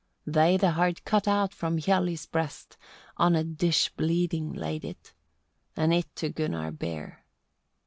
They the heart cut out from Hialli's breast; on a dish bleeding laid it, and it to Gunnar bare.